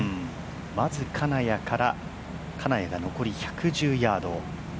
まず金谷から、金谷が残り１１０ヤード。